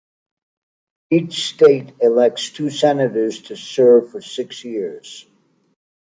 Each state elects two senators to serve for six years.